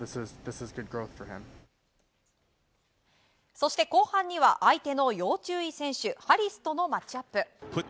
そして、後半には相手の要注意選手ハリスとのマッチアップ。